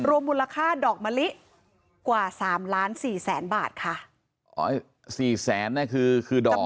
มูลค่าดอกมะลิกว่าสามล้านสี่แสนบาทค่ะอ๋อสี่แสนน่ะคือคือดอก